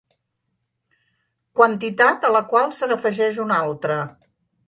Quantitat a la qual se n'afegeix una altra.